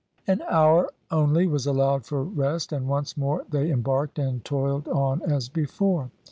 An hour only was allowed for rest, and once more they embarked and toiled on as before.